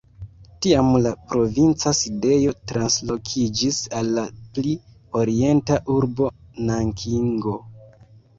Tiam la provinca sidejo translokiĝis al la pli orienta urbo Nankingo.